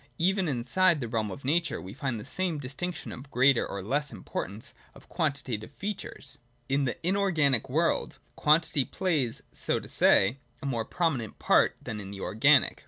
Even inside the realm of Nature we find the same distinction of greater or less importance of quantitative features. In the inorganic world, Quantity plays, so to say, a more prominent part than in the organic.